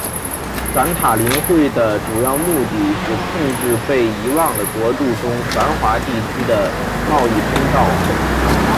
散塔林会的主要目的是控制被遗忘的国度中繁华地区的贸易通道。